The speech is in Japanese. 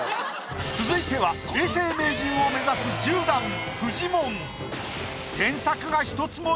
続いては永世名人を目指す１０段フジモン。